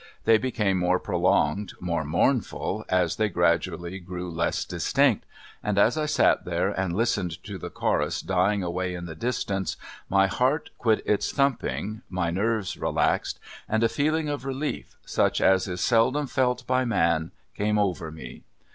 They became more prolonged, more mournful, as they gradually grew less distinct, and as I sat there and listened to the chorus dying away in the distance my heart quit its thumping, my nerves relaxed, and a feeling of relief, such as is seldom felt by man, came over me.